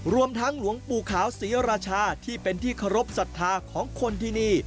รวมทั้งหลวงปู่ขาวศรีราชาที่เป็นที่เคารพสัทธาของคนที่นี่